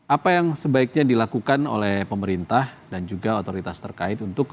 apa yang sebaiknya dilakukan oleh pemerintah dan juga otoritas terkait